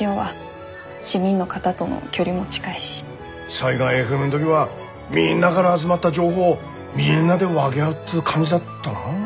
災害ＦＭの時はみんながら集まった情報をみんなで分げ合うっつう感じだったなあ。